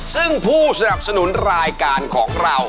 ซึ่งผู้สนับสนุนรายการของเรา